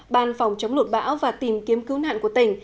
ban phòng chống lụt bão và tìm kiếm cứu nạn của tỉnh